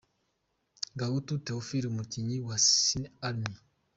Gahutu Theophile- umukinnyi wa Cine Elmay.